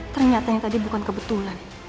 ternyata tadi bukan kebetulan